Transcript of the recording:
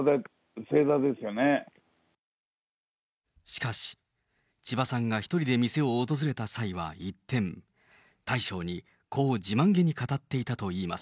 しかし、千葉さんが１人で店を訪れた際は一転、大将にこう自慢げに語っていたといいます。